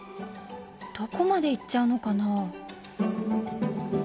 どこまで行っちゃうのかな。